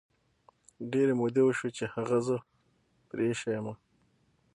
ډیري مودې وشوی چې هغه زه پری ایښي یمه